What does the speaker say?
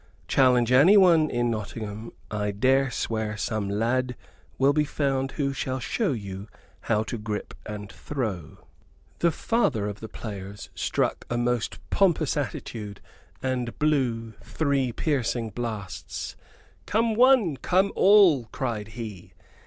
Challenge anyone in Nottingham; I dare swear some lad will be found who shall show you how to grip and throw." The father of the players struck a most pompous attitude and blew three piercing blasts. "Come one, come all!" cried he.